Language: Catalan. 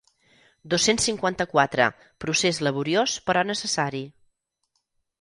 Dos-cents cinquanta-quatre procés laboriós però necessari.